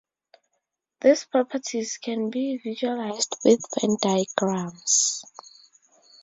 These properties can be visualized with Venn diagrams.